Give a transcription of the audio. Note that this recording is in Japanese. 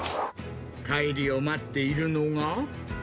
帰りを待っているのが。